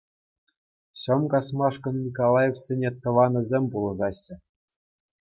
Ҫӑм касмашӑкн Николаевсене тӑванӗсем пулӑшаҫҫӗ.